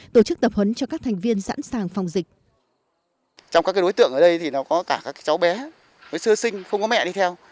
tổ chức tập huấn cho các thành viên sẵn sàng phòng dịch